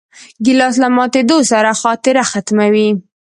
ګیلاس له ماتېدو سره خاطره ختموي.